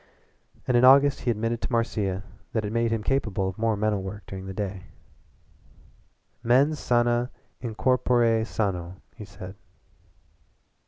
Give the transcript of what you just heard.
And in August he admitted to Marcia that it made him capable of more mental work during the day. "MENS SANA IN CORPORE SANO," he said.